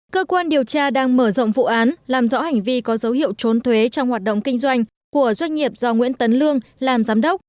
cơ quan điều tra đang mở rộng vụ án làm rõ hành vi có dấu hiệu trốn thuế trong hoạt động kinh doanh của doanh nghiệp do nguyễn tấn lương làm giám đốc